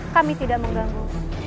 kami tidak mengganggu